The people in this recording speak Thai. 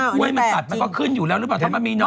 กล้วยมันตัดมันก็ขึ้นอยู่แล้วหรือเปล่าถ้ามันมีเนอ